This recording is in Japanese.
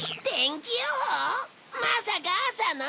まさか朝の？